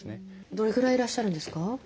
どれぐらいいらっしゃるんですか？